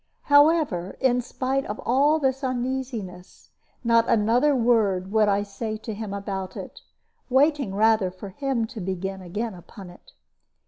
However, in spite of all this uneasiness, not another word would I say to him about it, waiting rather for him to begin again upon it.